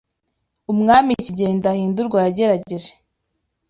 umwami Kigeli Ndahindurwa yagerageje